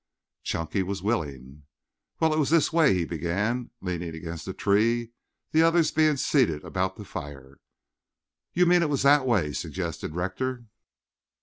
Chunky was willing. "Well, it was this way," he began, leaning against a tree, the others being seated about the fire. "You mean it was that way," suggested Rector.